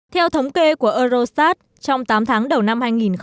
theo thống kê của eurostat trong tám tháng đầu năm hai nghìn một mươi tám